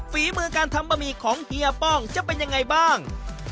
ฝีมือการทำบะหมี่ของเฮียป้องจะเป็นยังไงบ้าง